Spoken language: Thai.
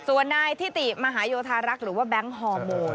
ส่วนนายทิติมหาโยธารักษ์หรือว่าแบงค์ฮอร์โม